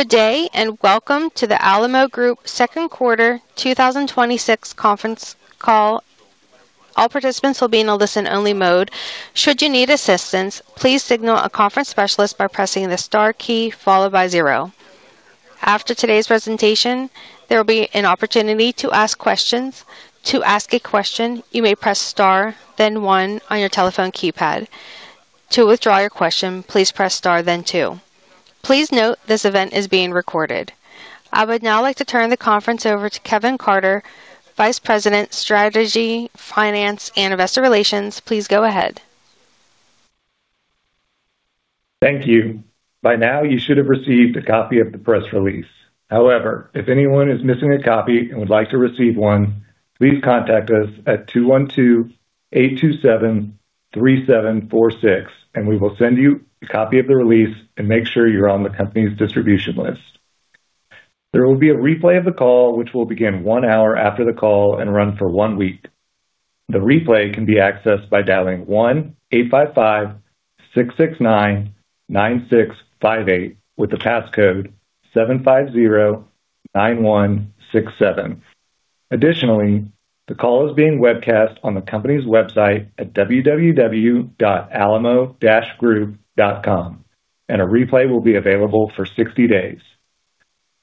Good day, welcome to the Alamo Group second quarter 2026 conference call. All participants will be in a listen-only mode. Should you need assistance, please signal a conference specialist by pressing the star key followed by zero. After today's presentation, there will be an opportunity to ask questions. To ask a question, you may press star then one on your telephone keypad. To withdraw your question, please press star then two. Please note this event is being recorded. I would now like to turn the conference over to Kevin Carter, Vice President, Strategy, Finance, and Investor Relations. Please go ahead. Thank you. By now, you should have received a copy of the press release. If anyone is missing a copy and would like to receive one, please contact us at 212-827-3746 and we will send you a copy of the release and make sure you're on the company's distribution list. There will be a replay of the call, which will begin 1 hour after the call and run for 1 week. The replay can be accessed by dialing 1-855-669-9658 with the passcode 750-9167. Additionally, the call is being webcast on the company's website at www.alamo-group.com, and a replay will be available for 60 days.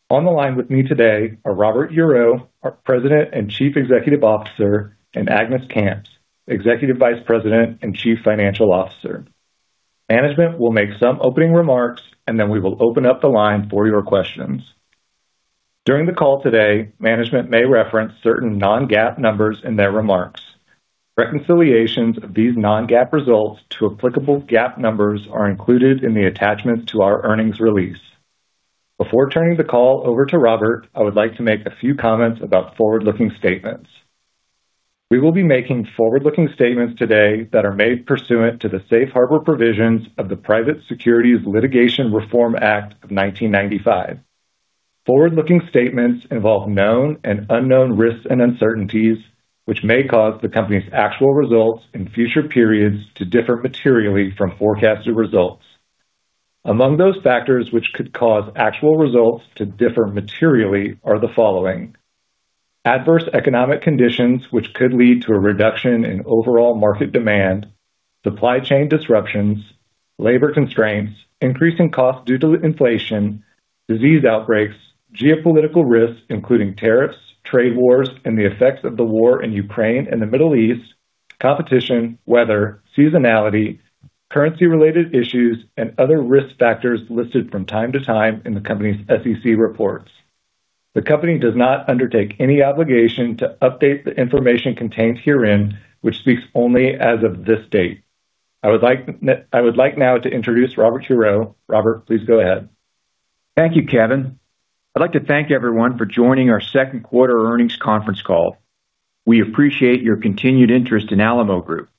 On the line with me today are Robert Hureau, our President and Chief Executive Officer, and Agnes Kamps, Executive Vice President and Chief Financial Officer. Management will make some opening remarks, then we will open up the line for your questions. During the call today, management may reference certain non-GAAP numbers in their remarks. Reconciliations of these non-GAAP results to applicable GAAP numbers are included in the attachments to our earnings release. Before turning the call over to Robert, I would like to make a few comments about forward-looking statements. We will be making forward-looking statements today that are made pursuant to the Safe Harbor provisions of the Private Securities Litigation Reform Act of 1995. Forward-looking statements involve known and unknown risks and uncertainties, which may cause the company's actual results in future periods to differ materially from forecasted results. Among those factors which could cause actual results to differ materially are the following: adverse economic conditions which could lead to a reduction in overall market demand, supply chain disruptions, labor constraints, increasing costs due to inflation, disease outbreaks, geopolitical risks, including tariffs, trade wars, and the effects of the war in Ukraine and the Middle East, competition, weather, seasonality, currency-related issues, and other risk factors listed from time to time in the company's SEC reports. The company does not undertake any obligation to update the information contained herein, which speaks only as of this date. I would like now to introduce Robert Hureau. Robert, please go ahead. Thank you, Kevin. I'd like to thank everyone for joining our second quarter earnings conference call. We appreciate your continued interest in Alamo Group.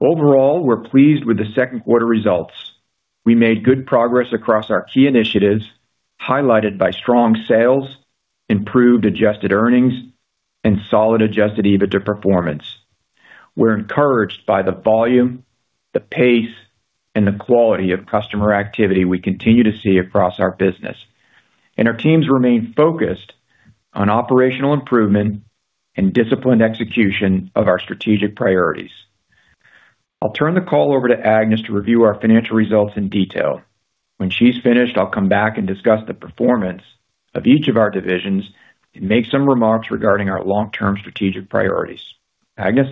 Overall, we're pleased with the second quarter results. We made good progress across our key initiatives, highlighted by strong sales, improved adjusted earnings, and solid Adjusted EBITDA performance. We're encouraged by the volume, the pace, and the quality of customer activity we continue to see across our business. Our teams remain focused on operational improvement and disciplined execution of our strategic priorities. I'll turn the call over to Agnes to review our financial results in detail. When she's finished, I'll come back and discuss the performance of each of our divisions and make some remarks regarding our long-term strategic priorities. Agnes?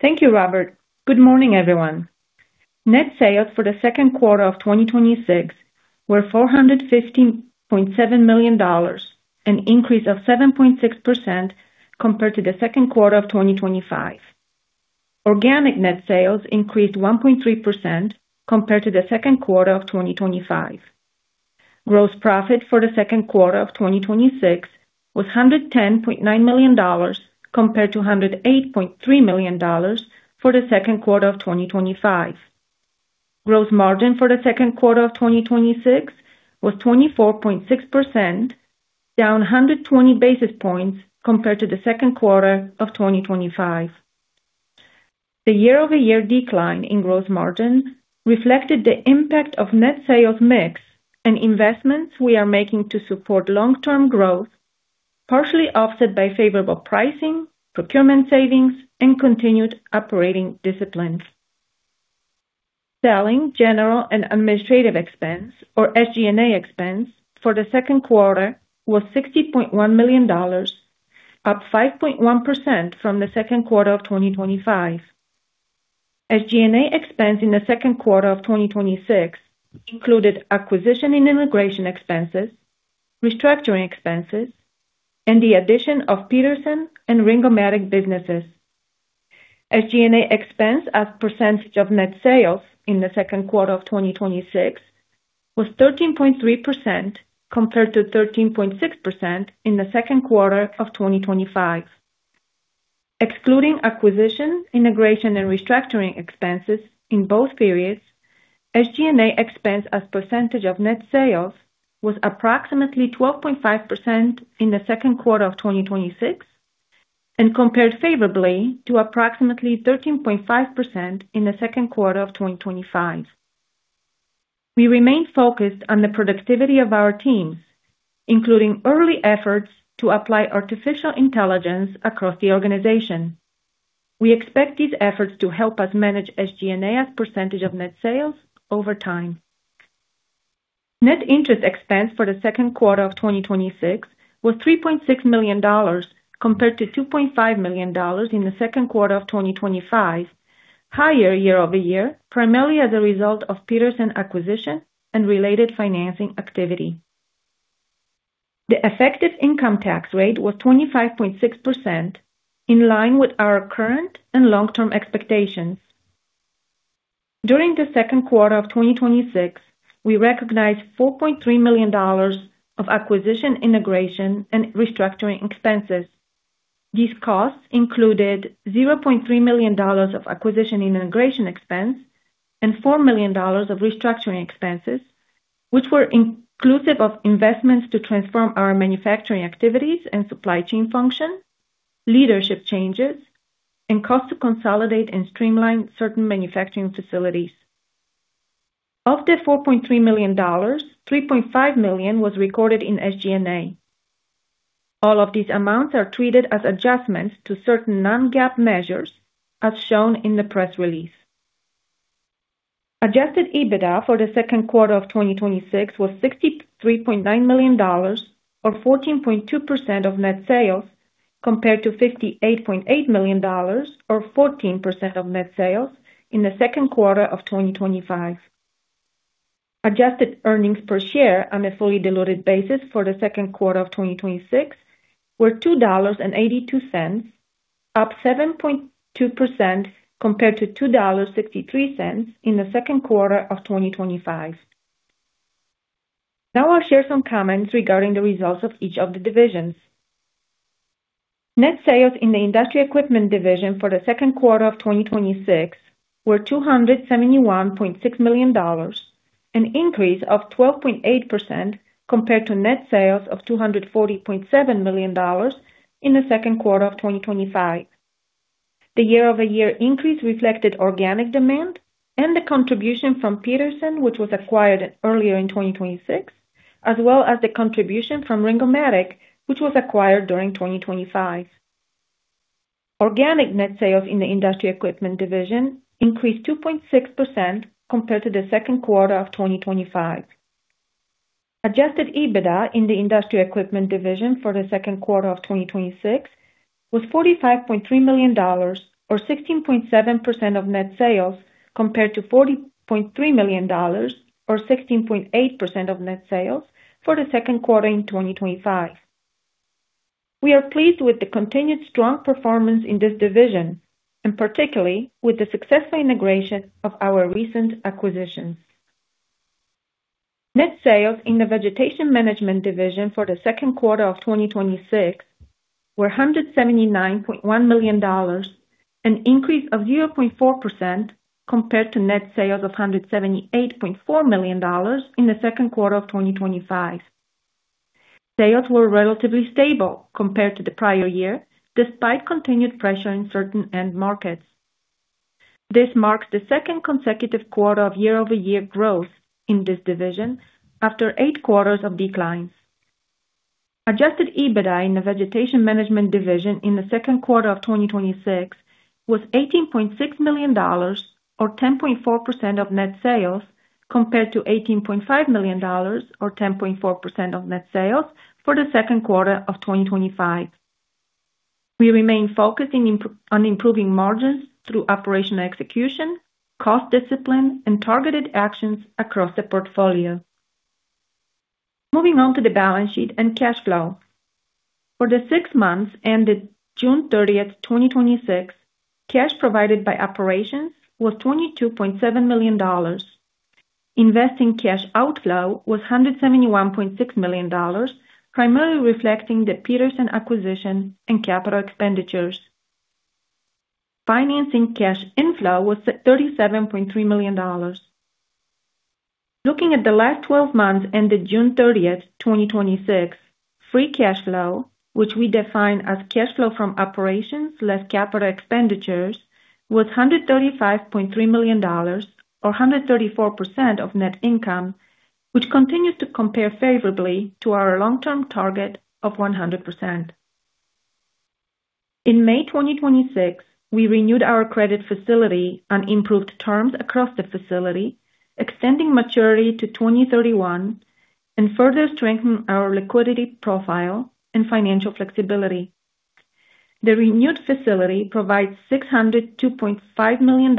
Thank you, Robert. Good morning, everyone. Net sales for the second quarter of 2026 were $415.7 million, an increase of 7.6% compared to the second quarter of 2025. Organic net sales increased 1.3% compared to the second quarter of 2025. Gross profit for the second quarter of 2026 was $110.9 million compared to $108.3 million for the second quarter of 2025. Gross margin for the second quarter of 2026 was 24.6%, down 120 basis points compared to the second quarter of 2025. The year-over-year decline in gross margin reflected the impact of net sales mix and investments we are making to support long-term growth, partially offset by favorable pricing, procurement savings, and continued operating disciplines. Selling, general, and administrative expense or SG&A expense for the second quarter was $60.1 million, up 5.1% from the second quarter of 2025. SG&A expense in the second quarter of 2026 included acquisition and integration expenses, restructuring expenses, and the addition of Petersen and Ring-O-Matic businesses. SG&A expense as percentage of net sales in the second quarter of 2026 was 13.3% compared to 13.6% in the second quarter of 2025. Excluding acquisition, integration, and restructuring expenses in both periods, SG&A expense as % of net sales was approximately 12.5% in the second quarter of 2026. Compared favorably to approximately 13.5% in the second quarter of 2025. We remain focused on the productivity of our teams, including early efforts to apply artificial intelligence across the organization. We expect these efforts to help us manage SG&A as percentage of net sales over time. Net interest expense for the second quarter of 2026 was $3.6 million, compared to $2.5 million in the second quarter of 2025, higher year-over-year, primarily as a result of Petersen acquisition and related financing activity. The effective income tax rate was 25.6%, in line with our current and long-term expectations. During the second quarter of 2026, we recognized $4.3 million of acquisition integration and restructuring expenses. These costs included $0.3 million of acquisition integration expense and $4 million of restructuring expenses, which were inclusive of investments to transform our manufacturing activities and supply chain function, leadership changes, and cost to consolidate and streamline certain manufacturing facilities. Of the $4.3 million, $3.5 million was recorded in SG&A. All of these amounts are treated as adjustments to certain non-GAAP measures as shown in the press release. Adjusted EBITDA for the second quarter of 2026 was $63.9 million or 14.2% of net sales, compared to $58.8 million or 14% of net sales in the second quarter of 2025. Adjusted earnings per share on a fully diluted basis for the second quarter of 2026 were $2.82, up 7.2% compared to $2.63 in the second quarter of 2025. Now I'll share some comments regarding the results of each of the divisions. Net sales in the Industrial Equipment Division for the second quarter of 2026 were $271.6 million, an increase of 12.8% compared to net sales of $240.7 million in the second quarter of 2025. The year-over-year increase reflected organic demand and the contribution from Petersen, which was acquired earlier in 2026, as well as the contribution from Ring-O-Matic, which was acquired during 2025. Organic net sales in the Industrial Equipment Division increased 2.6% compared to the second quarter of 2025. Adjusted EBITDA in the Industrial Equipment Division for the second quarter of 2026 was $45.3 million or 16.7% of net sales, compared to $40.3 million or 16.8% of net sales for the second quarter in 2025. We are pleased with the continued strong performance in this division, and particularly with the successful integration of our recent acquisitions. Net sales in the Vegetation Management Division for the second quarter of 2026 were $179.1 million, an increase of 0.4% compared to net sales of $178.4 million in the second quarter of 2025. Sales were relatively stable compared to the prior year, despite continued pressure in certain end markets. This marks the second consecutive quarter of year-over-year growth in this division after eight quarters of declines. Adjusted EBITDA in the Vegetation Management Division in the second quarter of 2026 was $18.6 million or 10.4% of net sales, compared to $18.5 million or 10.4% of net sales for the second quarter of 2025. We remain focused on improving margins through operational execution, cost discipline, and targeted actions across the portfolio. Moving on to the balance sheet and cash flow. For the six months ended June 30th, 2026, cash provided by operations was $22.7 million. Investing cash outflow was $171.6 million, primarily reflecting the Petersen acquisition and capital expenditures. Financing cash inflow was $37.3 million. Looking at the last 12 months ended June 30th, 2026, free cash flow, which we define as cash flow from operations less capital expenditures, was $135.3 million or 134% of net income, which continued to compare favorably to our long-term target of 100%. In May 2026, we renewed our credit facility on improved terms across the facility, extending maturity to 2031 and further strengthen our liquidity profile and financial flexibility. The renewed facility provides $602.5 million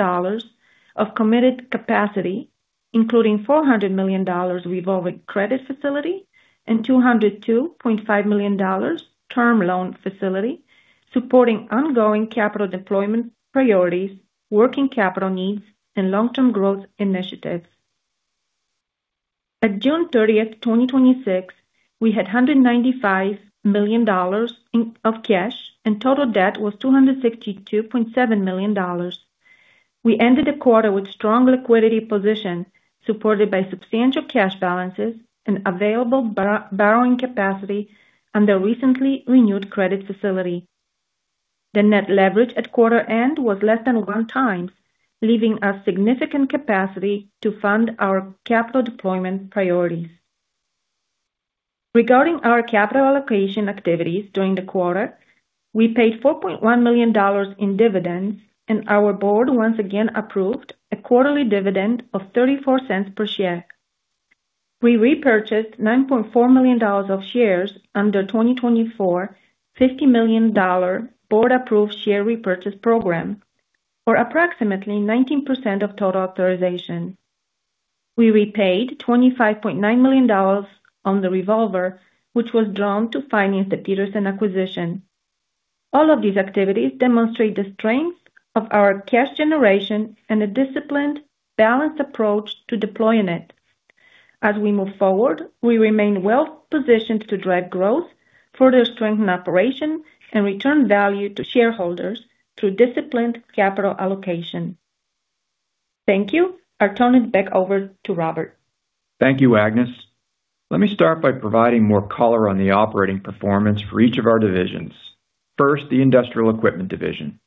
of committed capacity, including $400 million revolving credit facility and $202.5 million term loan facility, supporting ongoing capital deployment priorities, working capital needs, and long-term growth initiatives. At June 30th, 2026, we had $195 million of cash and total debt was $262.7 million. We ended the quarter with strong liquidity position, supported by substantial cash balances and available borrowing capacity on the recently renewed credit facility. The net leverage at quarter end was less than one times, leaving a significant capacity to fund our capital deployment priorities. Regarding our capital allocation activities during the quarter, we paid $4.1 million in dividends, and our board once again approved a quarterly dividend of $0.34 per share. We repurchased $9.4 million of shares under 2024 $50 million board-approved share repurchase program, or approximately 19% of total authorization. We repaid $25.9 million on the revolver, which was drawn to finance the Petersen acquisition. All of these activities demonstrate the strength of our cash generation and a disciplined, balanced approach to deploying it. As we move forward, we remain well-positioned to drive growth, further strengthen operation, and return value to shareholders through disciplined capital allocation. Thank you. I turn it back over to Robert. Thank you, Agnes. Let me start by providing more color on the operating performance for each of our divisions. First, the Industrial Equipment Division.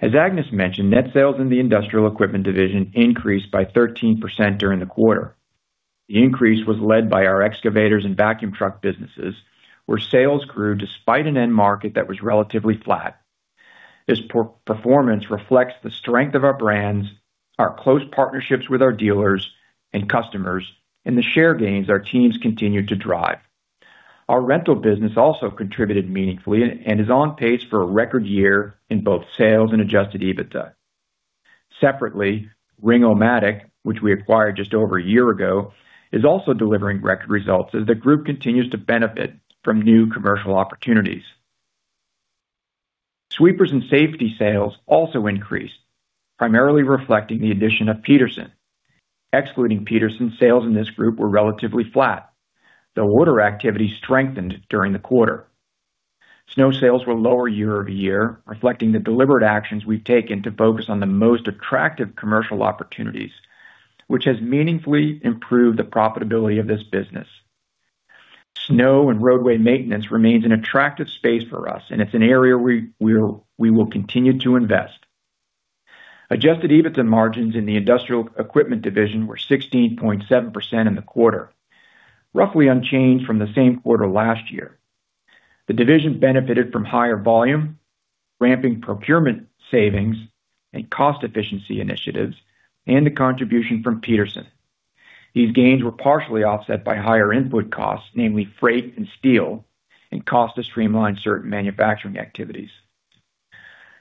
As Agnes mentioned, net sales in the Industrial Equipment Division increased by 13% during the quarter. The increase was led by our excavators and vacuum truck businesses, where sales grew despite an end market that was relatively flat. This performance reflects the strength of our brands, our close partnerships with our dealers and customers, and the share gains our teams continue to drive. Our rental business also contributed meaningfully and is on pace for a record year in both sales and Adjusted EBITDA. Separately, Ring-O-Matic, which we acquired just over a year ago, is also delivering record results as the group continues to benefit from new commercial opportunities. Sweepers and safety sales also increased, primarily reflecting the addition of Petersen. Excluding Petersen, sales in this group were relatively flat, though order activity strengthened during the quarter. Snow sales were lower year-over-year, reflecting the deliberate actions we've taken to focus on the most attractive commercial opportunities, which has meaningfully improved the profitability of this business. Snow and roadway maintenance remains an attractive space for us, and it's an area we will continue to invest. Adjusted EBITDA margins in the Industrial Equipment Division were 16.7% in the quarter, roughly unchanged from the same quarter last year. The division benefited from higher volume, ramping procurement savings and cost efficiency initiatives, and the contribution from Petersen. These gains were partially offset by higher input costs, namely freight and steel, and cost to streamline certain manufacturing activities.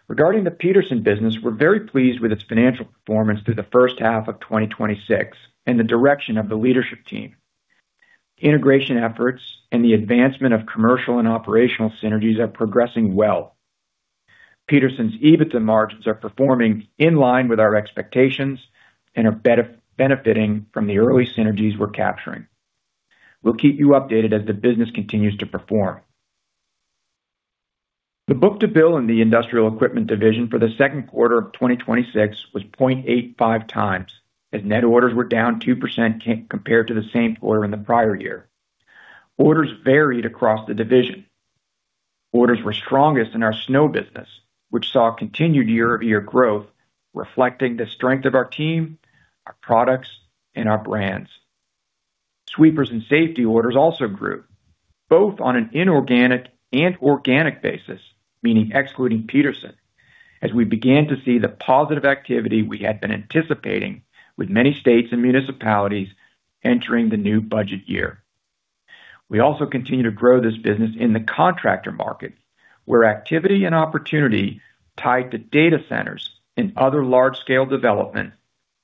Regarding the Petersen business, we're very pleased with its financial performance through the first half of 2026 and the direction of the leadership team. Integration efforts and the advancement of commercial and operational synergies are progressing well. Petersen's EBITDA margins are performing in line with our expectations and are benefiting from the early synergies we're capturing. We'll keep you updated as the business continues to perform. The book-to-bill in the Industrial Equipment Division for the second quarter of 2026 was 0.85x, as net orders were down 2% compared to the same quarter in the prior year. Orders varied across the division. Orders were strongest in our snow business, which saw continued year-over-year growth, reflecting the strength of our team, our products, and our brands. Sweepers and safety orders also grew, both on an inorganic and organic basis, meaning excluding Petersen, as we began to see the positive activity we had been anticipating with many states and municipalities entering the new budget year. We also continue to grow this business in the contractor market, where activity and opportunity tied to data centers and other large-scale development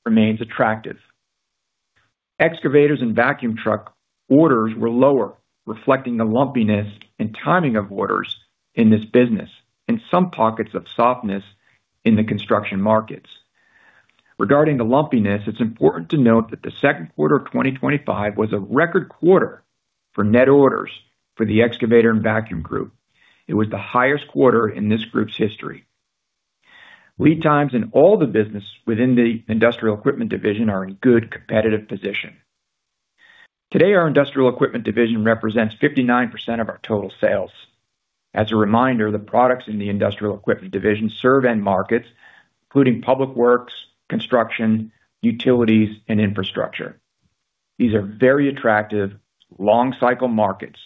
remains attractive. Excavators and vacuum truck orders were lower, reflecting the lumpiness and timing of orders in this business and some pockets of softness in the construction markets. Regarding the lumpiness, it's important to note that the second quarter of 2025 was a record quarter for net orders for the excavator and vacuum group. It was the highest quarter in this group's history. Lead times in all the business within the Industrial Equipment Division are in good competitive position. Today, our Industrial Equipment Division represents 59% of our total sales. As a reminder, the products in the Industrial Equipment Division serve end markets, including public works, construction, utilities, and infrastructure. These are very attractive long cycle markets.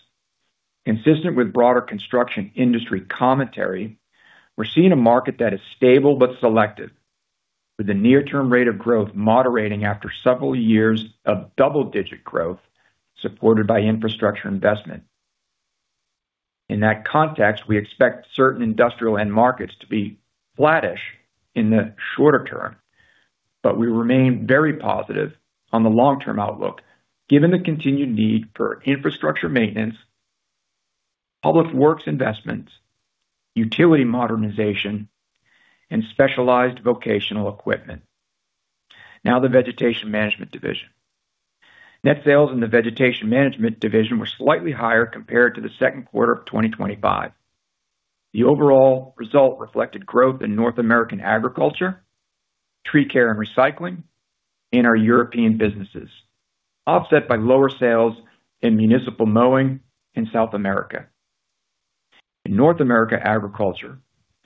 Consistent with broader construction industry commentary, we're seeing a market that is stable but selective, with the near-term rate of growth moderating after several years of double-digit growth supported by infrastructure investment. In that context, we expect certain industrial end markets to be flattish in the shorter term, but we remain very positive on the long-term outlook given the continued need for infrastructure maintenance, public works investments, utility modernization, and specialized vocational equipment. Now the Vegetation Management Division. Net sales in the Vegetation Management Division were slightly higher compared to the second quarter of 2025. The overall result reflected growth in North American agriculture, tree care and recycling, and our European businesses, offset by lower sales in municipal mowing in South America. In North America agriculture,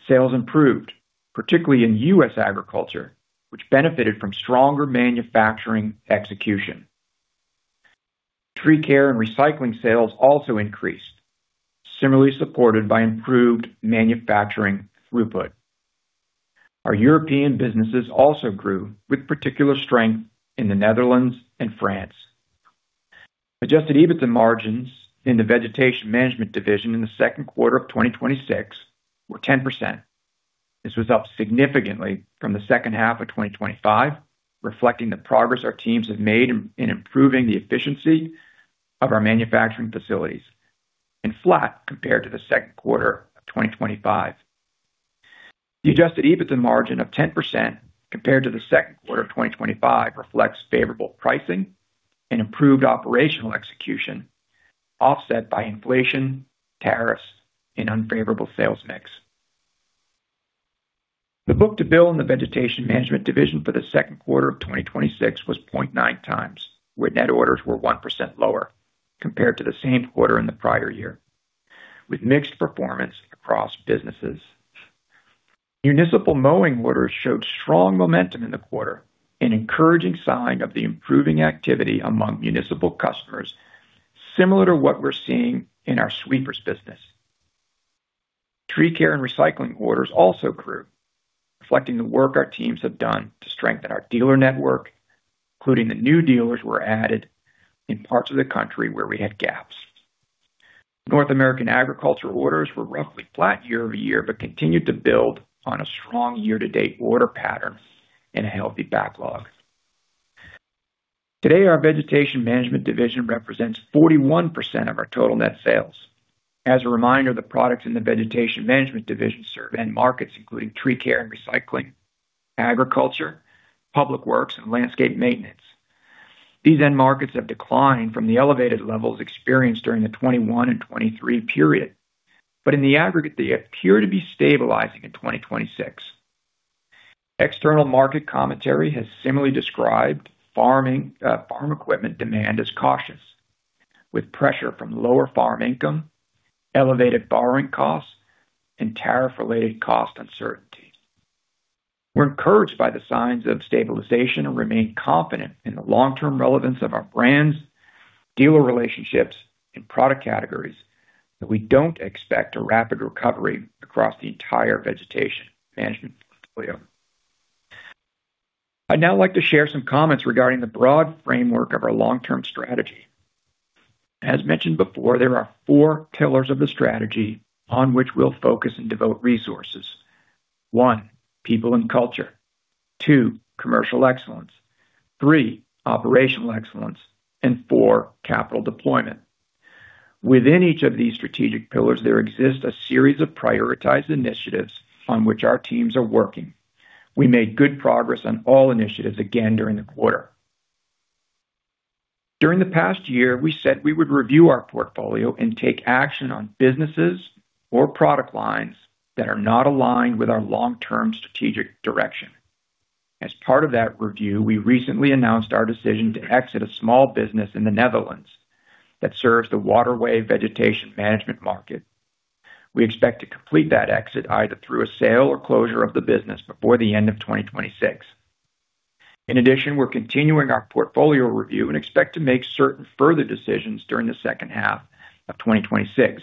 sales improved, particularly in U.S. agriculture, which benefited from stronger manufacturing execution. Tree care and recycling sales also increased, similarly supported by improved manufacturing throughput. Our European businesses also grew with particular strength in the Netherlands and France. Adjusted EBITDA margins in the Vegetation Management Division in the second quarter of 2026 were 10%. This was up significantly from the second half of 2025, reflecting the progress our teams have made in improving the efficiency of our manufacturing facilities and flat compared to the second quarter of 2025. The Adjusted EBITDA margin of 10% compared to the second quarter of 2025 reflects favorable pricing and improved operational execution, offset by inflation, tariffs, and unfavorable sales mix. The book-to-bill in the Vegetation Management Division for the second quarter of 2026 was 0.9 times, where net orders were 1% lower compared to the same quarter in the prior year, with mixed performance across businesses. Municipal mowing orders showed strong momentum in the quarter, an encouraging sign of the improving activity among municipal customers, similar to what we're seeing in our sweepers business. Tree care and recycling orders also grew, reflecting the work our teams have done to strengthen our dealer network, including the new dealers who were added in parts of the country where we had gaps. North American agriculture orders were roughly flat year-over-year, continued to build on a strong year-to-date order pattern and a healthy backlog. Today, our Vegetation Management Division represents 41% of our total net sales. As a reminder, the products in the Vegetation Management Division serve end markets including tree care and recycling, agriculture, public works, and landscape maintenance. These end markets have declined from the elevated levels experienced during the 2021 and 2023 period, in the aggregate, they appear to be stabilizing in 2026. External market commentary has similarly described farm equipment demand as cautious, with pressure from lower farm income, elevated borrowing costs, and tariff-related cost uncertainty. We're encouraged by the signs of stabilization and remain confident in the long-term relevance of our brands, dealer relationships, and product categories, but we don't expect a rapid recovery across the entire vegetation management portfolio. I'd now like to share some comments regarding the broad framework of our long-term strategy. As mentioned before, there are four pillars of the strategy on which we'll focus and devote resources. One, people and culture. Two, commercial excellence. Three, operational excellence, and four, capital deployment. Within each of these strategic pillars, there exist a series of prioritized initiatives on which our teams are working. We made good progress on all initiatives again during the quarter. During the past year, we said we would review our portfolio and take action on businesses or product lines that are not aligned with our long-term strategic direction. As part of that review, we recently announced our decision to exit a small business in the Netherlands that serves the waterway vegetation management market. We expect to complete that exit either through a sale or closure of the business before the end of 2026. In addition, we're continuing our portfolio review and expect to make certain further decisions during the second half of 2026.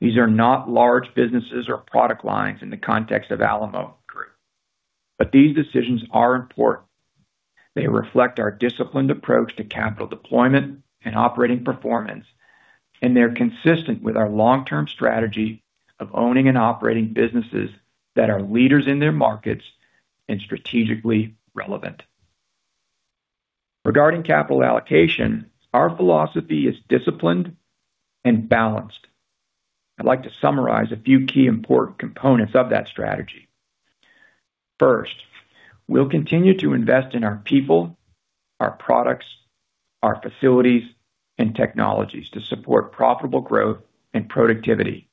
These are not large businesses or product lines in the context of Alamo Group, but these decisions are important. They reflect our disciplined approach to capital deployment and operating performance, and they're consistent with our long-term strategy of owning and operating businesses that are leaders in their markets and strategically relevant. Regarding capital allocation, our philosophy is disciplined and balanced. I'd like to summarize a few key important components of that strategy. First, we'll continue to invest in our people, our products, our facilities, and technologies to support profitable growth and productivity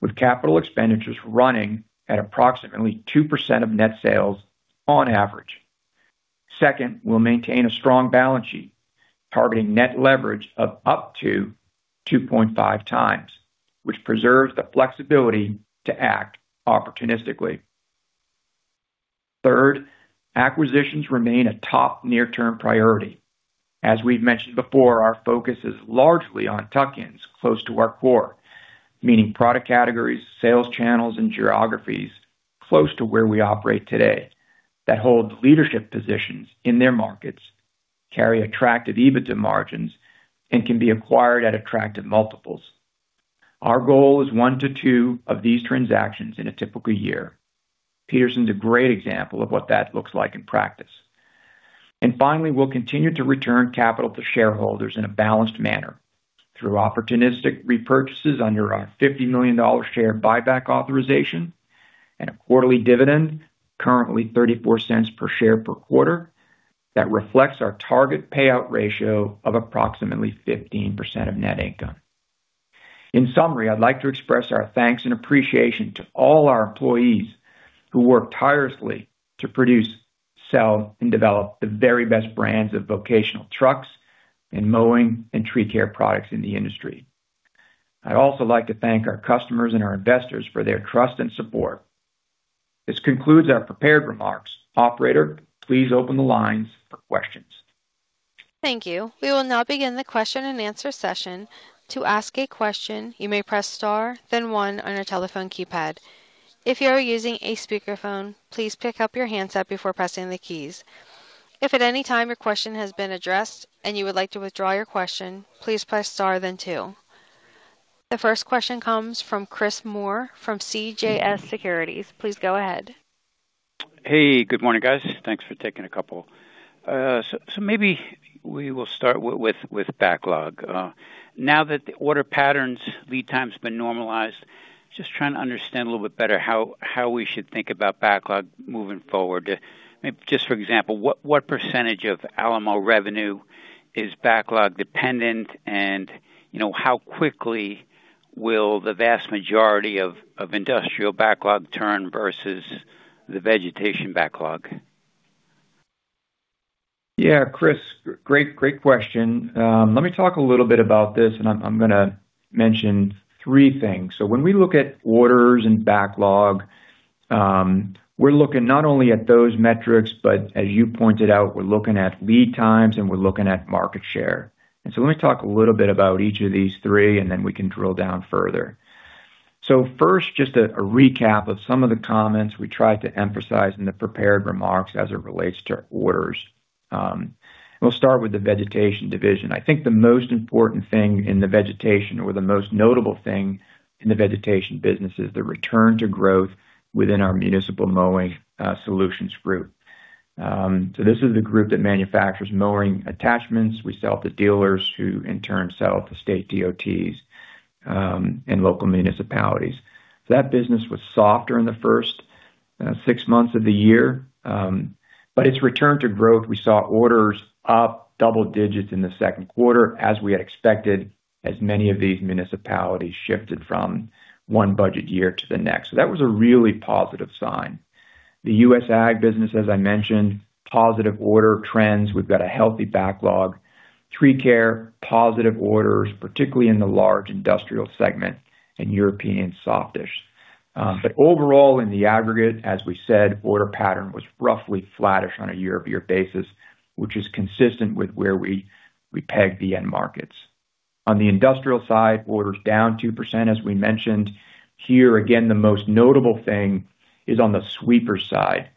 with capital expenditures running at approximately 2% of net sales on average. Second, we'll maintain a strong balance sheet, targeting net leverage of up to 2.5x, which preserves the flexibility to act opportunistically. Third, acquisitions remain a top near-term priority. As we've mentioned before, our focus is largely on tuck-ins close to our core, meaning product categories, sales channels, and geographies close to where we operate today that hold leadership positions in their markets, carry attractive EBITDA margins, and can be acquired at attractive multiples. Our goal is one to two of these transactions in a typical year. Petersen's a great example of what that looks like in practice. Finally, we'll continue to return capital to shareholders in a balanced manner through opportunistic repurchases under our $50 million share buyback authorization and a quarterly dividend, currently $0.34 per share per quarter. That reflects our target payout ratio of approximately 15% of net income. In summary, I'd like to express our thanks and appreciation to all our employees who work tirelessly to produce, sell, and develop the very best brands of vocational trucks and mowing and tree care products in the industry. I'd also like to thank our customers and our investors for their trust and support. This concludes our prepared remarks. Operator, please open the lines for questions. Thank you. We will now begin the question and answer session. To ask a question, you may press star then one on your telephone keypad. If you are using a speakerphone, please pick up your handset before pressing the keys. If at any time your question has been addressed and you would like to withdraw your question, please press star then two. The first question comes from Chris Moore from CJS Securities. Please go ahead. Hey, good morning, guys. Thanks for taking a couple. Maybe we will start with backlog. Now that the order patterns lead time's been normalized, just trying to understand a little bit better how we should think about backlog moving forward. Just for example, what percentage of Alamo revenue is backlog dependent? And how quickly will the vast majority of industrial backlog turn versus the vegetation backlog? Yeah. Chris, great question. Let me talk a little bit about this, and I'm going to mention three things. When we look at orders and backlog, we're looking not only at those metrics, but as you pointed out, we're looking at lead times, and we're looking at market share. Let me talk a little bit about each of these three, and then we can drill down further. First, just a recap of some of the comments we tried to emphasize in the prepared remarks as it relates to orders. We'll start with the vegetation division. I think the most important thing in the vegetation or the most notable thing in the vegetation business is the return to growth within our Municipal Mowing Solutions Group. This is the group that manufactures mowing attachments. We sell to dealers who in turn sell to state DOTs and local municipalities. That business was softer in the first six months of the year, but it's returned to growth. We saw orders up double digits in the second quarter as we had expected, as many of these municipalities shifted from one budget year to the next. That was a really positive sign. The U.S. Ag business, as I mentioned, positive order trends. We've got a healthy backlog. Tree care, positive orders, particularly in the large industrial segment and European softish. Overall, in the aggregate, as we said, order pattern was roughly flattish on a year-over-year basis, which is consistent with where we pegged the end markets. On the industrial side, orders down 2%, as we mentioned. Here again, the most notable thing is on the sweeper side.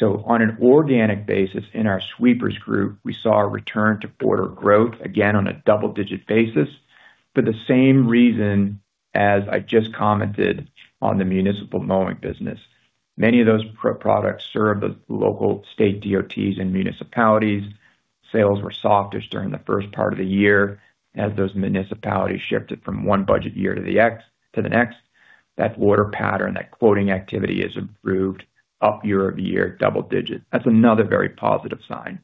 On an organic basis in our sweepers group, we saw a return to order growth, again on a double-digit basis for the same reason as I just commented on the municipal mowing business. Many of those products serve the local state DOTs and municipalities. Sales were softish during the first part of the year as those municipalities shifted from one budget year to the next. That order pattern, that quoting activity has improved up year-over-year, double digits. That's another very positive sign.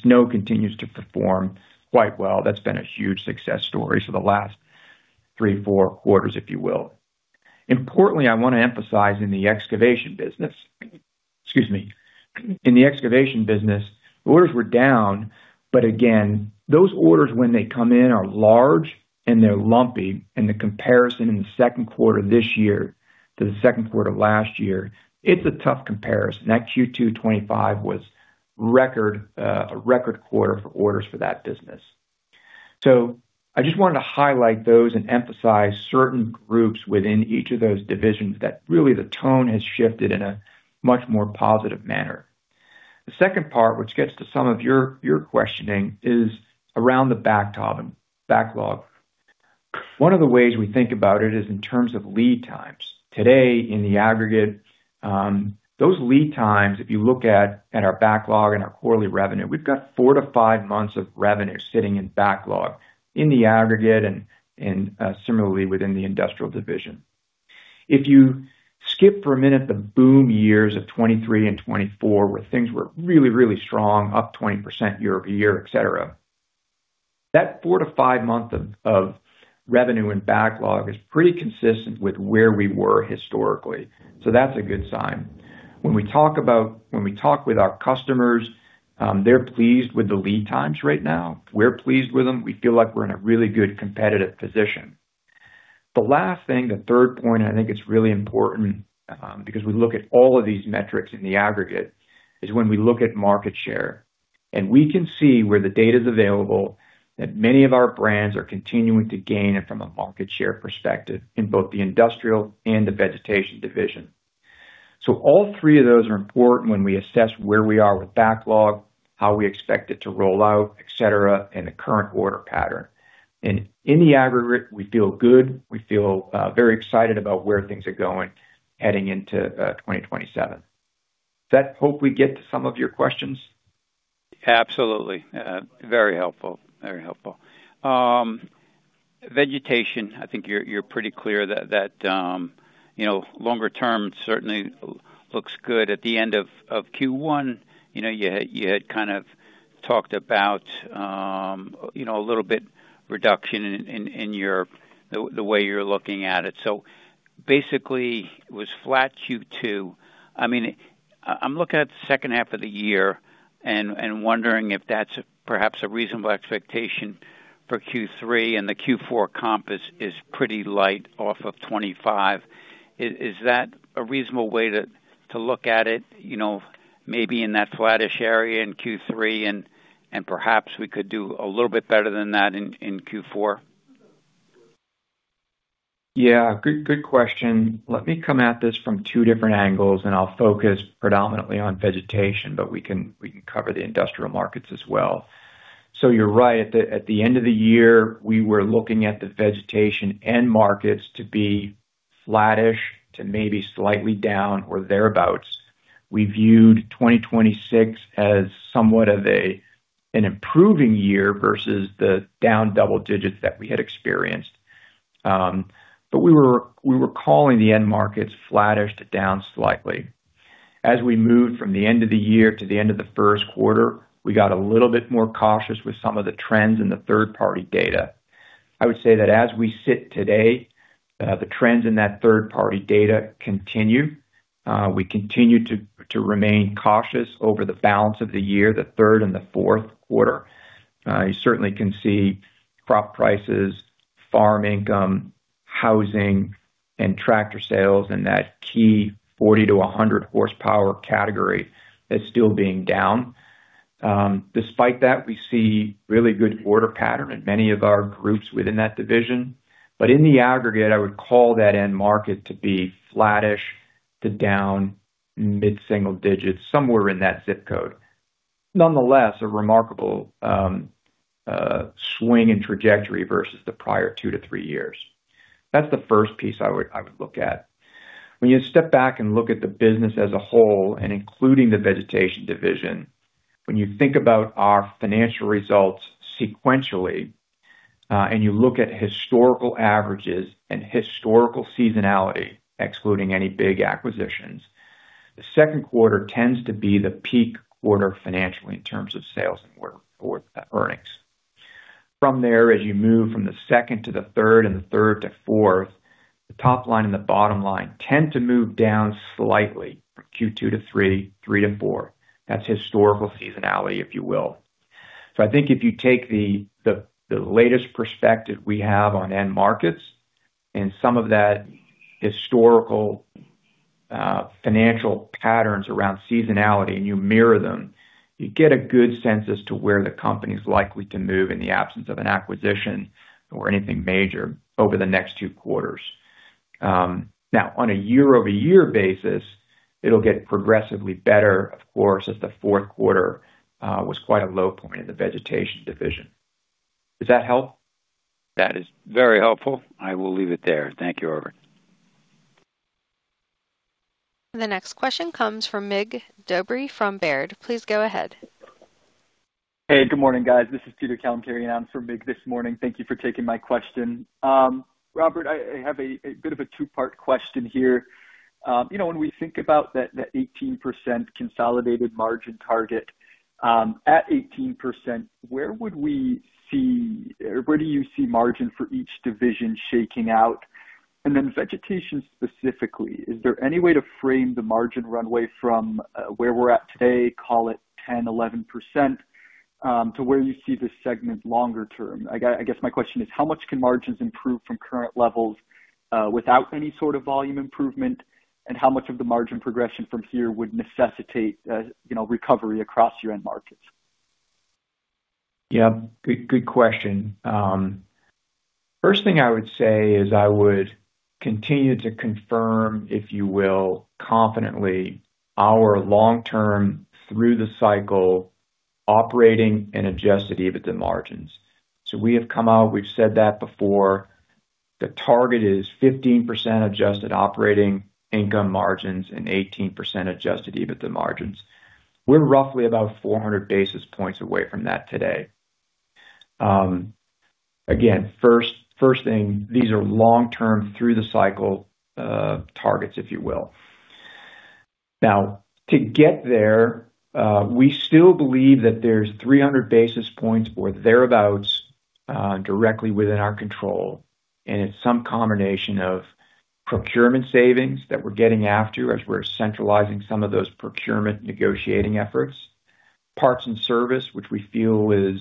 Snow continues to perform quite well. That's been a huge success story for the last three, four quarters, if you will. Importantly, I want to emphasize in the excavation business. Excuse me. In the excavation business, orders were down, again, those orders, when they come in, are large, and they're lumpy. The comparison in the second quarter this year to the second quarter of last year, it's a tough comparison. That Q2 2025 was a record quarter for orders for that business. I just wanted to highlight those and emphasize certain groups within each of those divisions that really the tone has shifted in a much more positive manner. The second part, which gets to some of your questioning, is around the backlog. One of the ways we think about it is in terms of lead times. Today, in the aggregate, those lead times, if you look at our backlog and our quarterly revenue, we've got four to five months of revenue sitting in backlog in the aggregate and similarly within the Industrial Division. If you skip for a minute the boom years of 2023 and 2024, where things were really, really strong, up 20% year-over-year, et cetera, that four to five months of revenue and backlog is pretty consistent with where we were historically. That's a good sign. When we talk with our customers, they're pleased with the lead times right now. We're pleased with them. We feel like we're in a really good competitive position. The last thing, the third point I think it's really important, because we look at all of these metrics in the aggregate, is when we look at market share. We can see where the data is available, that many of our brands are continuing to gain from a market share perspective in both the Industrial and the Vegetation Division. All three of those are important when we assess where we are with backlog, how we expect it to roll out, et cetera, and the current order pattern. In the aggregate, we feel good. We feel very excited about where things are going heading into 2027. Does that hopefully get to some of your questions? Absolutely. Very helpful. Vegetation, I think you're pretty clear that longer term certainly looks good. At the end of Q1, you had talked about a little bit reduction in the way you're looking at it. Basically, it was flat Q2. I'm looking at the second half of the year and wondering if that's perhaps a reasonable expectation for Q3, and the Q4 compass is pretty light off of 2025. Is that a reasonable way to look at it? Maybe in that flattish area in Q3, and perhaps we could do a little bit better than that in Q4? Yeah. Good question. Let me come at this from two different angles, and I'll focus predominantly on vegetation, but we can cover the industrial markets as well. You're right, at the end of the year, we were looking at the vegetation end markets to be flattish to maybe slightly down or thereabouts. We viewed 2026 as somewhat of an improving year versus the down double digits that we had experienced. We were calling the end markets flattish to down slightly. As we moved from the end of the year to the end of the first quarter, we got a little bit more cautious with some of the trends in the third-party data. I would say that as we sit today, the trends in that third-party data continue. We continue to remain cautious over the balance of the year, the third and the fourth quarter. You certainly can see crop prices, farm income, housing, and tractor sales in that key 40 to 100 horsepower category that's still being down. Despite that, we see really good order pattern in many of our groups within that division. In the aggregate, I would call that end market to be flattish to down mid-single digits, somewhere in that zip code. Nonetheless, a remarkable swing in trajectory versus the prior two to three years. That's the first piece I would look at. When you step back and look at the business as a whole, and including the Vegetation Division, when you think about our financial results sequentially, and you look at historical averages and historical seasonality, excluding any big acquisitions, the second quarter tends to be the peak quarter financially in terms of sales and earnings. From there, as you move from the second to the third and the third to fourth, the top line and the bottom line tend to move down slightly from Q2 to Q3 to Q4. That's historical seasonality, if you will. I think if you take the latest perspective we have on end markets and some of that historical financial patterns around seasonality, and you mirror them, you get a good sense as to where the company's likely to move in the absence of an acquisition or anything major over the next two quarters. Now, on a year-over-year basis, it'll get progressively better, of course, as the fourth quarter was quite a low point in the Vegetation Division. Does that help? That is very helpful. I will leave it there. Thank you, Robert. The next question comes from Mircea Dobre from Baird. Please go ahead. Hey, good morning, guys. This is Peter Kalemkerian. I'm from Baird this morning. Thank you for taking my question. Robert, I have a bit of a two-part question here. When we think about that 18% consolidated margin target, at 18%, where do you see margin for each division shaking out? Vegetation specifically, is there any way to frame the margin runway from where we're at today, call it 10%-11%, to where you see this segment longer term? I guess my question is, how much can margins improve from current levels without any sort of volume improvement, how much of the margin progression from here would necessitate recovery across your end markets? Yeah. Good question. First thing I would say is I would continue to confirm, if you will, confidently our long-term through the cycle operating and Adjusted EBITDA margins. We have come out, we've said that before. The target is 15% adjusted operating income margins and 18% Adjusted EBITDA margins. We're roughly about 400 basis points away from that today. Again, first thing, these are long-term through the cycle targets, if you will. To get there, we still believe that there's 300 basis points or thereabouts directly within our control, it's some combination of procurement savings that we're getting after as we're centralizing some of those procurement negotiating efforts. Parts and service, which we feel is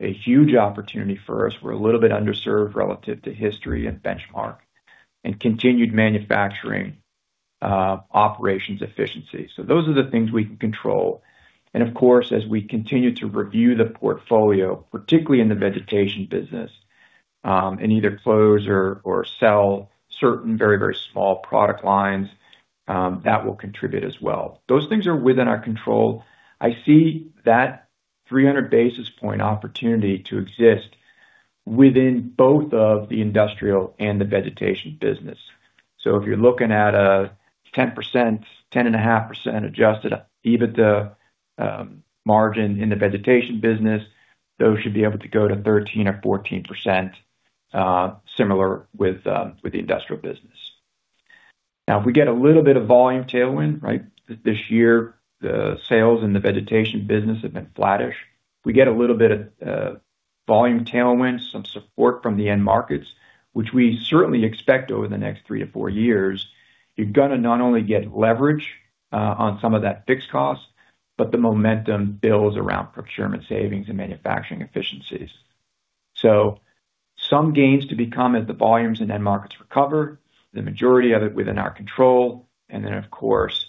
a huge opportunity for us. We're a little bit underserved relative to history and benchmark and continued manufacturing operations efficiency. Those are the things we can control. Of course, as we continue to review the portfolio, particularly in the Vegetation business, and either close or sell certain very, very small product lines, that will contribute as well. Those things are within our control. I see that 300 basis point opportunity to exist within both of the Industrial and the Vegetation business. If you're looking at a 10%, 10.5% Adjusted EBITDA margin in the Vegetation business, those should be able to go to 13% or 14%, similar with the Industrial business. If we get a little bit of volume tailwind, this year the sales in the Vegetation business have been flattish. If we get a little bit of volume tailwind, some support from the end markets, which we certainly expect over the next three to four years, you're going to not only get leverage on some of that fixed cost, but the momentum builds around procurement savings and manufacturing efficiencies. Some gains to be come as the volumes in end markets recover, the majority of it within our control. Then, of course,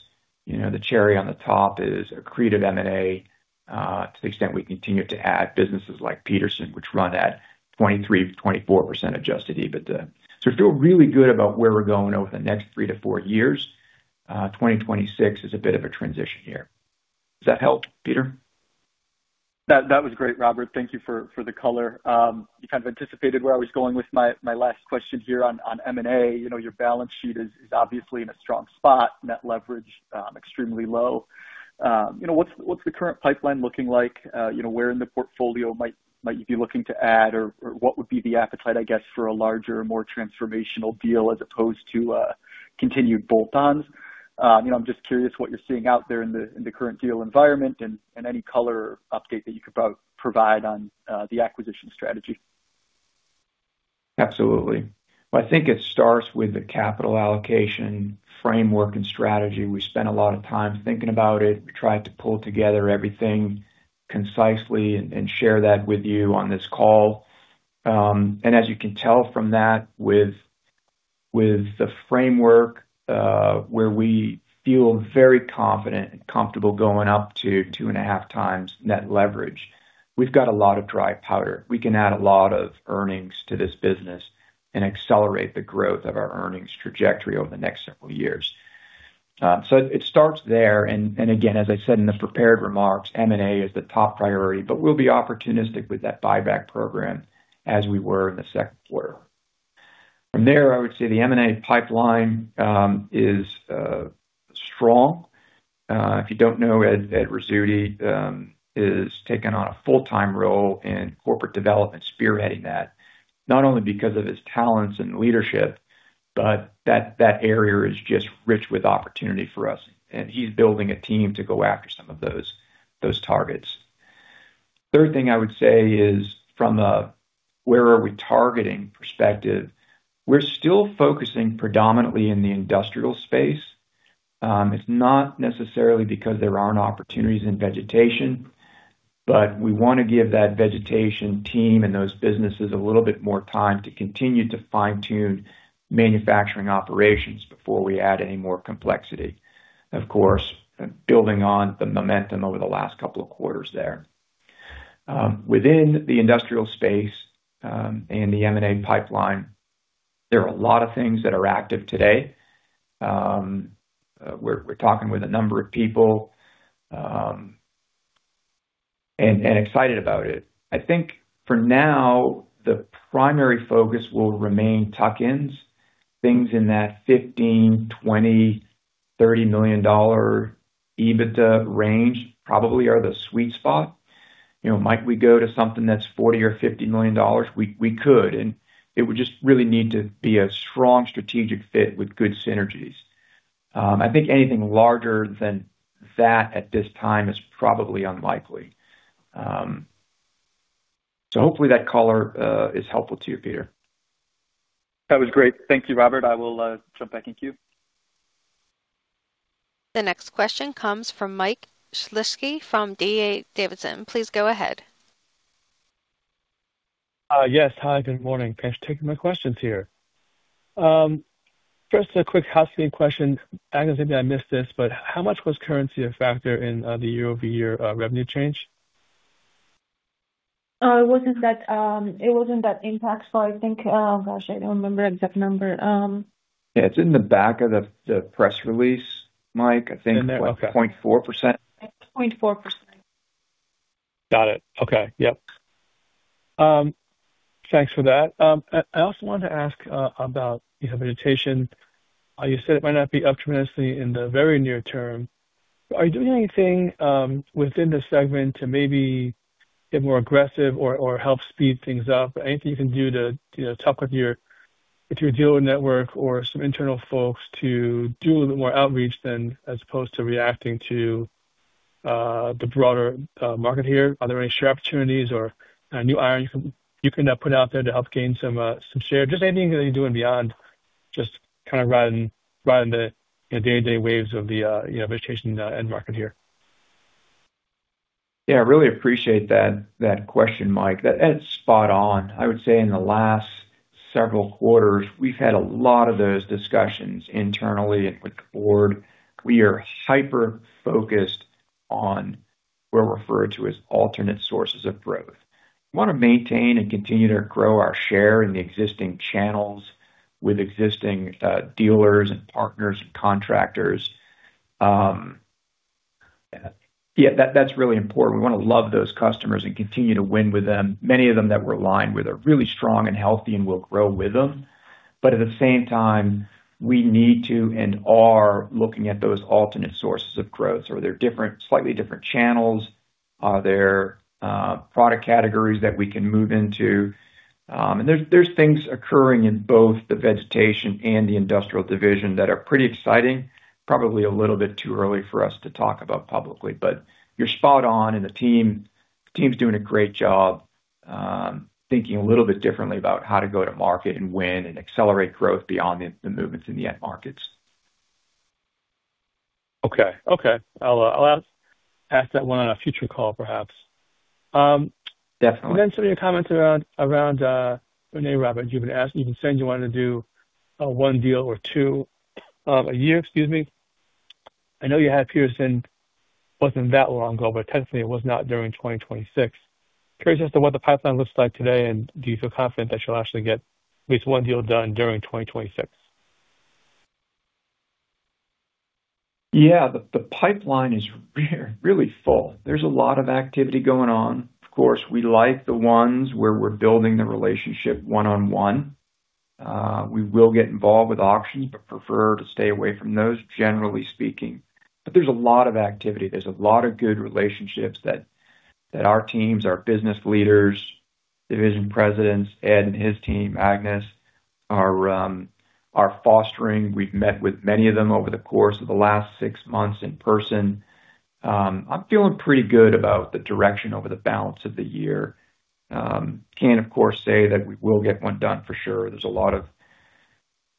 the cherry on the top is accretive M&A to the extent we continue to add businesses like Petersen, which run at 23%, 24% Adjusted EBITDA. I feel really good about where we're going over the next three to four years. 2026 is a bit of a transition year. Does that help, Peter? That was great, Robert. Thank you for the color. You kind of anticipated where I was going with my last question here on M&A. Your balance sheet is obviously in a strong spot. Net leverage, extremely low. What's the current pipeline looking like? Where in the portfolio might you be looking to add, or what would be the appetite, I guess, for a larger, more transformational deal as opposed to continued bolt-ons? I'm just curious what you're seeing out there in the current deal environment and any color or update that you could provide on the acquisition strategy. Absolutely. I think it starts with the capital allocation framework and strategy. We spent a lot of time thinking about it. We tried to pull together everything concisely and share that with you on this call. As you can tell from that, with the framework, where we feel very confident and comfortable going up to 2.5x net leverage. We've got a lot of dry powder. We can add a lot of earnings to this business and accelerate the growth of our earnings trajectory over the next several years. It starts there. Again, as I said in the prepared remarks, M&A is the top priority, but we'll be opportunistic with that buyback program as we were in the second quarter. I would say the M&A pipeline is strong. If you don't know, Edward Rizzuti is taking on a full-time role in Corporate Development, spearheading that. Not only because of his talents and leadership, but that area is just rich with opportunity for us, and he's building a team to go after some of those targets. Third thing I would say is from a where are we targeting perspective, we're still focusing predominantly in the industrial space. It's not necessarily because there aren't opportunities in vegetation, but we want to give that vegetation team and those businesses a little bit more time to continue to fine-tune manufacturing operations before we add any more complexity. Of course, building on the momentum over the last couple of quarters there. Within the industrial space and the M&A pipeline, there are a lot of things that are active today. We're talking with a number of people and excited about it. I think for now, the primary focus will remain tuck-ins. Things in that $15 million, $20 million, $30 million EBITDA range probably are the sweet spot. Might we go to something that's $40 million or $50 million? We could, and it would just really need to be a strong strategic fit with good synergies. I think anything larger than that at this time is probably unlikely. Hopefully that color is helpful to you, Peter. That was great. Thank you, Robert. I will jump back in queue. The next question comes from Mike Shlisky from D.A. Davidson. Please go ahead. Yes, hi. Good morning. Thanks for taking my questions here. First, a quick housekeeping question. Agnes, maybe I missed this, how much was currency a factor in the year-over-year revenue change? It wasn't that impactful, I think. Gosh, I don't remember the exact number. Yeah, it's in the back of the press release, Mike. I think it was 0.4%. 0.4%. Got it. Okay. Yep. Thanks for that. I also wanted to ask about vegetation. You said it might not be opportunistically in the very near term. Are you doing anything within the segment to maybe get more aggressive or help speed things up? Anything you can do to talk with your dealer network or some internal folks to do a little bit more outreach then, as opposed to reacting to the broader market here? Are there any share opportunities or new irons you can put out there to help gain some share? Just anything that you're doing beyond just kind of riding the day-to-day waves of the vegetation end market here. Yeah. I really appreciate that question, Mike. That's spot on. I would say in the last several quarters, we've had a lot of those discussions internally and with the Board. We are hyper-focused on what we refer to as alternate sources of growth. We want to maintain and continue to grow our share in the existing channels with existing dealers and partners and contractors. Yeah. That's really important. We want to love those customers and continue to win with them. Many of them that we're aligned with are really strong and healthy, and we'll grow with them. At the same time, we need to and are looking at those alternate sources of growth. Are there slightly different channels? Are there product categories that we can move into? There's things occurring in both the Vegetation Management Division and the Industrial Equipment Division that are pretty exciting. Probably a little bit too early for us to talk about publicly, you're spot on, the team's doing a great job thinking a little bit differently about how to go to market and win and accelerate growth beyond the movements in the end markets. Okay. I'll ask that one on a future call, perhaps. Definitely. Some of your comments around M&A, Robert. You've been asking-- you've been saying you wanted to do one deal or two a year. Excuse me. I know you had Petersen wasn't that long ago, technically it was not during 2026. Curious as to what the pipeline looks like today, do you feel confident that you'll actually get at least one deal done during 2026? Yeah. The pipeline is really full. There's a lot of activity going on. Of course, we like the ones where we're building the relationship one-on-one. We will get involved with auctions, but prefer to stay away from those, generally speaking. There's a lot of activity. There's a lot of good relationships that our teams, our business leaders, division presidents, Ed and his team, Agnes, are fostering. We've met with many of them over the course of the last six months in person. I'm feeling pretty good about the direction over the balance of the year. Can't, of course, say that we will get one done for sure. There's a lot of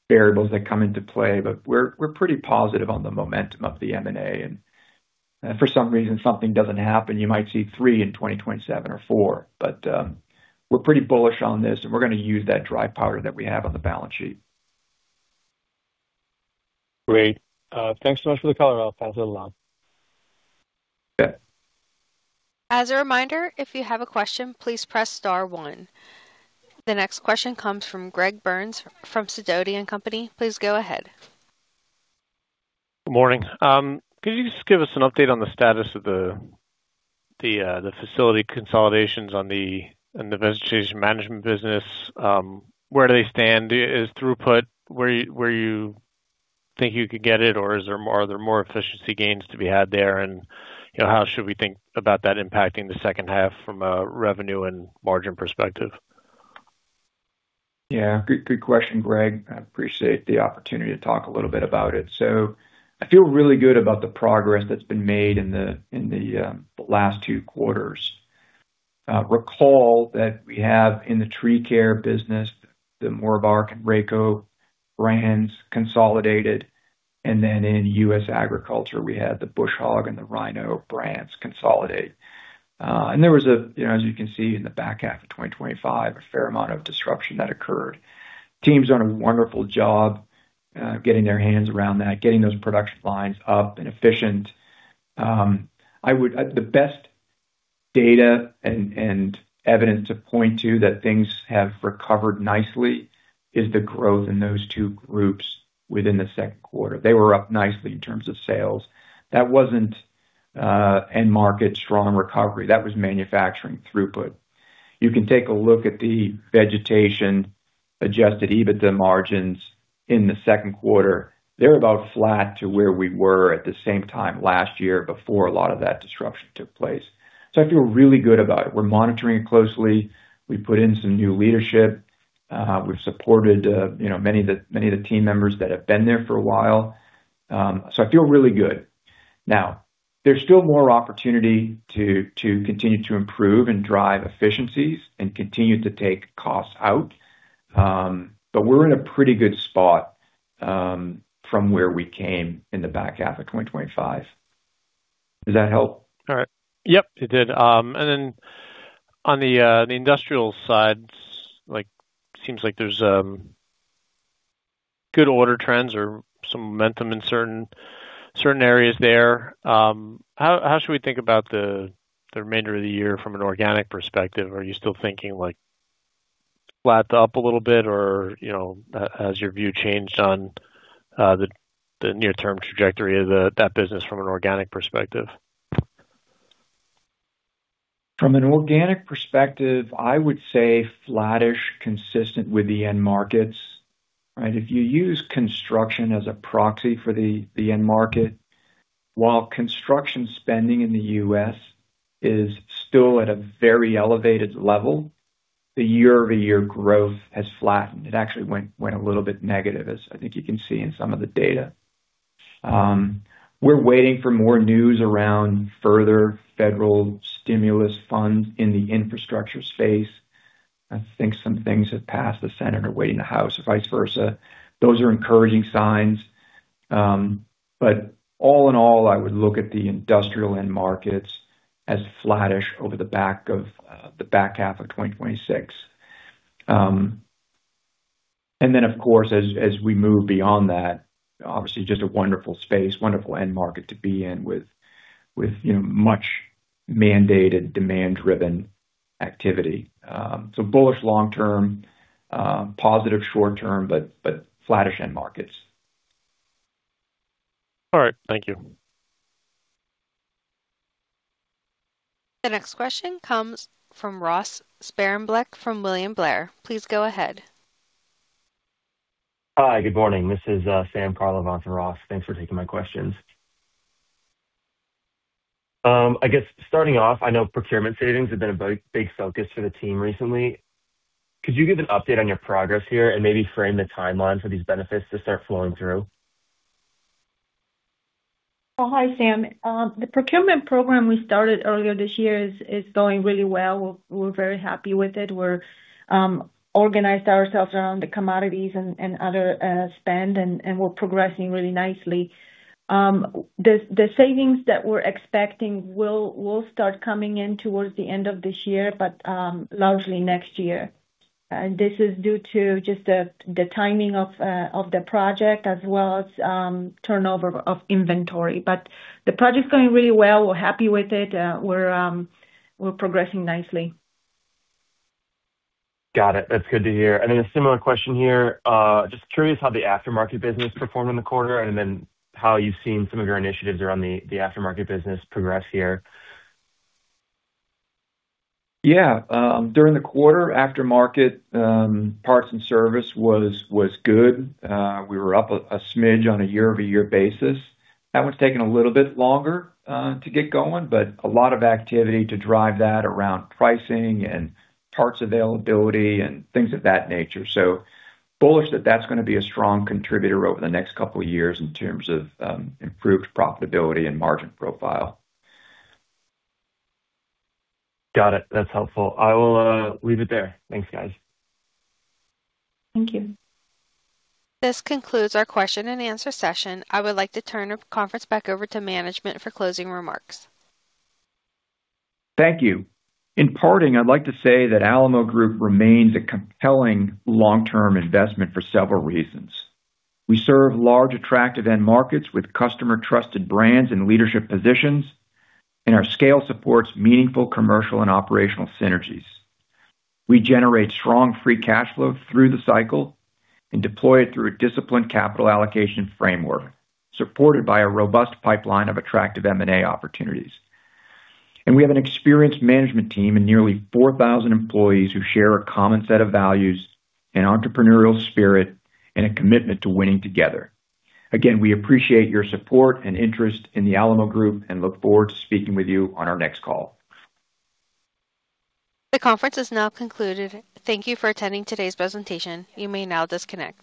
variables that come into play, but we're pretty positive on the momentum of the M&A. If for some reason something doesn't happen, you might see three in 2027 or four. We're pretty bullish on this, and we're going to use that dry powder that we have on the balance sheet. Great. Thanks so much for the color. I'll pass it along. Okay. As a reminder, if you have a question, please press star one. The next question comes from Greg Burns from Sidoti & Company. Please go ahead. Good morning. Could you just give us an update on the status of the facility consolidations in the vegetation management business? Where do they stand? Is throughput where you think you could get it, or are there more efficiency gains to be had there? How should we think about that impacting the second half from a revenue and margin perspective? Yeah. Good question, Greg. I appreciate the opportunity to talk a little bit about it. I feel really good about the progress that's been made in the last two quarters. Recall that we have in the tree care business, the Morbark and Rayco brands consolidated, and then in U.S. agriculture, we had the Bush Hog and the Rhino brands consolidate. There was, as you can see in the back half of 2025, a fair amount of disruption that occurred. The team's done a wonderful job getting their hands around that, getting those production lines up and efficient. The best data and evidence to point to that things have recovered nicely is the growth in those two groups within the second quarter. They were up nicely in terms of sales. That wasn't end market strong recovery. That was manufacturing throughput. You can take a look at the vegetation Adjusted EBITDA margins in the second quarter. They're about flat to where we were at the same time last year before a lot of that disruption took place. I feel really good about it. We're monitoring it closely. We put in some new leadership. We've supported many of the team members that have been there for a while. I feel really good. There's still more opportunity to continue to improve and drive efficiencies and continue to take costs out. We're in a pretty good spot from where we came in the back half of 2025. Does that help? All right. Yep, it did. On the industrial side, seems like there's good order trends or some momentum in certain areas there. How should we think about the remainder of the year from an organic perspective? Are you still thinking like flat to up a little bit, or has your view changed on the near-term trajectory of that business from an organic perspective? From an organic perspective, I would say flattish consistent with the end markets, right? If you use construction as a proxy for the end market, while construction spending in the U.S. is still at a very elevated level, the year-over-year growth has flattened. It actually went a little bit negative, as I think you can see in some of the data. We're waiting for more news around further federal stimulus funds in the infrastructure space. I think some things have passed the Senate and are waiting the House, or vice versa. Those are encouraging signs. All in all, I would look at the industrial end markets as flattish over the back half of 2026. Of course, as we move beyond that, obviously just a wonderful space, wonderful end market to be in with much mandated demand-driven activity. Bullish long term, positive short term, but flattish end markets. All right. Thank you. The next question comes from Ross Sparenblek, from William Blair. Please go ahead. Hi. Good morning. This is Sam Carlavan for Ross. Thanks for taking my questions. I guess starting off, I know procurement savings have been a big focus for the team recently. Could you give an update on your progress here and maybe frame the timeline for these benefits to start flowing through? Oh, hi, Sam. The procurement program we started earlier this year is going really well. We're very happy with it. We're organized ourselves around the commodities and other spend. We're progressing really nicely. The savings that we're expecting will start coming in towards the end of this year. Largely next year. This is due to just the timing of the project as well as turnover of inventory. The project's going really well. We're happy with it. We're progressing nicely. Got it. That's good to hear. A similar question here. Just curious how the aftermarket business performed in the quarter. How you've seen some of your initiatives around the aftermarket business progress here. Yeah. During the quarter, aftermarket parts and service was good. We were up a smidge on a year-over-year basis. That one's taken a little bit longer to get going. A lot of activity to drive that around pricing and parts availability and things of that nature. Bullish that that's gonna be a strong contributor over the next couple of years in terms of improved profitability and margin profile. Got it. That's helpful. I will leave it there. Thanks, guys. Thank you. This concludes our question and answer session. I would like to turn the conference back over to management for closing remarks. Thank you. In parting, I'd like to say that Alamo Group remains a compelling long-term investment for several reasons. We serve large, attractive end markets with customer-trusted brands and leadership positions. Our scale supports meaningful commercial and operational synergies. We generate strong free cash flow through the cycle and deploy it through a disciplined capital allocation framework, supported by a robust pipeline of attractive M&A opportunities. We have an experienced management team and nearly 4,000 employees who share a common set of values, an entrepreneurial spirit, and a commitment to winning together. Again, we appreciate your support and interest in the Alamo Group, and look forward to speaking with you on our next call. The conference is now concluded. Thank you for attending today's presentation. You may now disconnect.